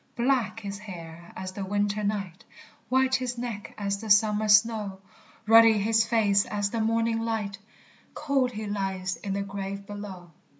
_ Black his hair as the winter night, White his neck as the summer snow, Ruddy his face as the morning light; Cold he lies in the grave below.